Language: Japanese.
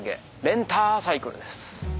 レンタサイクルです。